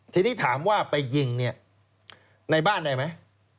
ทีนี้ถามว่าไปยิงเนี่ยในบ้านได้ไหม